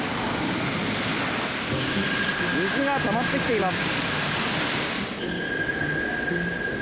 水がたまってきています。